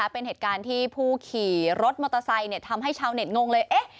เป็นเหตุการณ์ที่ผู้ขี่รถมอเตอร์ไซค์ทำให้ชาวเน็ตงงเลย